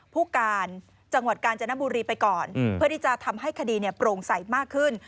ผู้การจังหวัดกาญจนบุรีไปก่อนเพื่อที่จะทำให้คดีโปร่งใสมากขึ้น